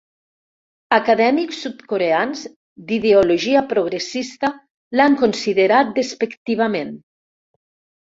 Acadèmics sud-coreans d'ideologia progressista l'han considerat despectivament.